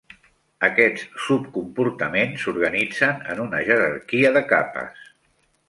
Aquests subcomportaments s'organitzen en una jerarquia de capes.